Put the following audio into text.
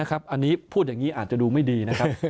อันนี้พูดอย่างนี้อาจจะดูไม่ดีนะครับ